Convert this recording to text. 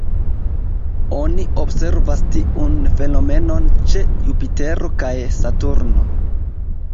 Oni observas tiun fenomenon ĉe Jupitero kaj Saturno.